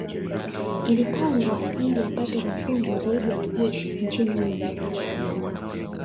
Ilipangwa ili apate mafunzo zaidi ya kijeshi nchini Uingereza